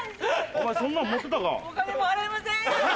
お前そんなん持ってたか？